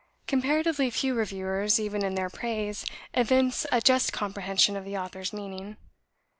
Comparatively few reviewers, even in their praise, evince a just comprehension of the author's meaning.